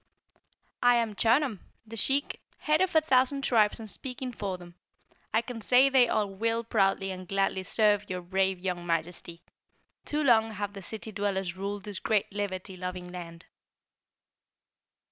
"I am Chunum, the Sheik, head of a thousand tribes and speaking for them, I can say they all will proudly and gladly serve your brave young Majesty. Too long have the city dwellers ruled this great liberty loving land."